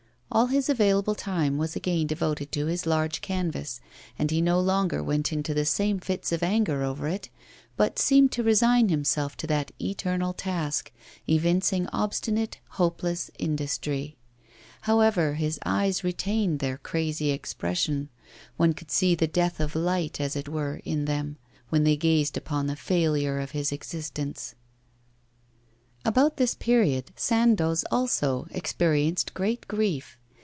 All his available time was again devoted to his large canvas, and he no longer went into the same fits of anger over it, but seemed to resign himself to that eternal task, evincing obstinate, hopeless industry. However, his eyes retained their crazy expression one could see the death of light, as it were, in them, when they gazed upon the failure of his existence. About this period Sandoz also experienced great grief.